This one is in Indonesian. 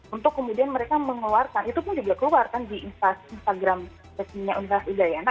untuk kemudian mereka mengeluarkan itu pun juga keluar kan di instagram resminya universitas udayana